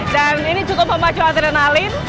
dan ini cukup memacu adrenalin